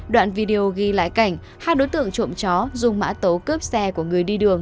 đoạn video ghi lại cảnh hai đối tượng trộm chó dùng mã tấu cướp xe của người đi đường